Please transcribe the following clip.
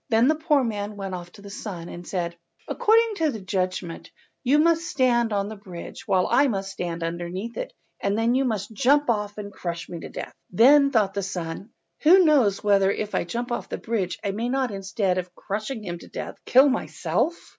Then the poor man went off to the son, and said— "According to the judgment you must stand on the bridge while I must stand underneath it, and then you must jump off and crush me to death." Then thought the son— "Who knows whether if I jump off the bridge I may not, instead of crushing him to death, kill myself?"